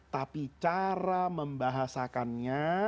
tapi cara membahasakannya